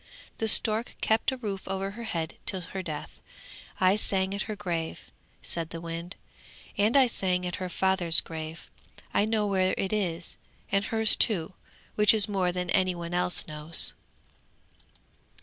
The stork kept a roof over her head till her death! I sang at her grave,' said the wind, 'and I sang at her father's grave. I know where it is, and hers too, which is more than any one else knows.